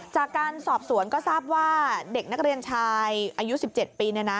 จากการสอบสวนก็ทราบว่าเด็กนักเรียนชายอายุ๑๗ปี